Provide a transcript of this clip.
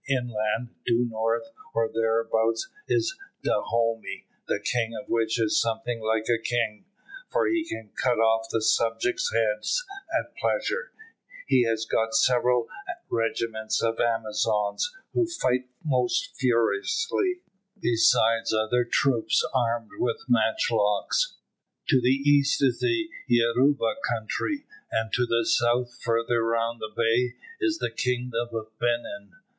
Inland, due north, or thereabouts, is Dahomey, the king of which is something like a king, for he can cut off his subjects' heads at pleasure; he has got several regiments of Amazons, who fight most furiously, besides other troops armed with matchlocks. To the east is the Yoruba country, and to the south, further round the bay, is the kingdom of Benin.